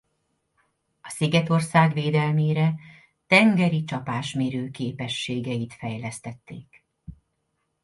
A szigetország védelmére tengeri csapásmérő képességeit fejlesztették.